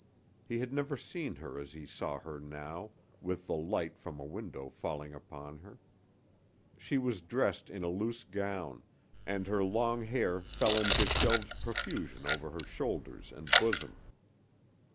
He had never seen her as he saw her now, with the light from a window falling upon her. She was dressed in a loose gown, and her long hair fell in disheveled profusion over her shoulders and bosom.